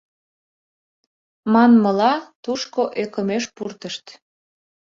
Манмыла, тушко ӧкымеш пуртышт.